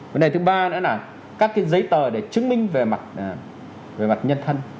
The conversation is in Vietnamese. vấn đề thứ ba nữa là các cái giấy tờ để chứng minh về mặt nhân thân